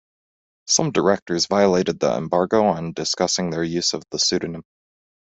Some directors violated the embargo on discussing their use of the pseudonym.